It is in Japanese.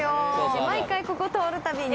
毎回ここ通るたびに